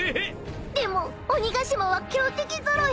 ［でも鬼ヶ島は強敵揃い］